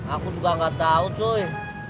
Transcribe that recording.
aku juga gak tau cuy